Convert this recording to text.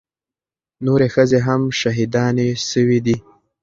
نورې ښځې هم شهيدانې سوې دي.